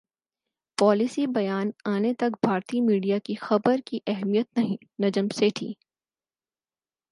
policy بیان انے تک بھارتی میڈیا کی خبر کی اہمیت نہیںنجم سیٹھی